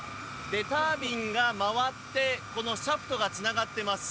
タービンが回ってこのシャフトがつながっています。